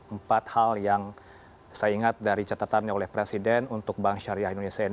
empat hal yang saya ingat dari catatannya oleh presiden untuk bank syariah indonesia ini